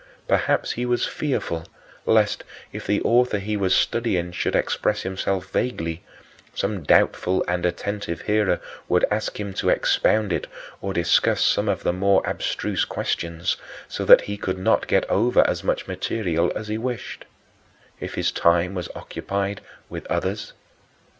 Perhaps he was fearful lest, if the author he was studying should express himself vaguely, some doubtful and attentive hearer would ask him to expound it or discuss some of the more abstruse questions, so that he could not get over as much material as he wished, if his time was occupied with others.